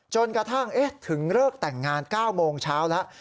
จนกระทั่งถึงเลิกแต่งงาน๙โมงเช้าแล้ว